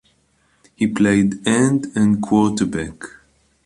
He played end and quarterback.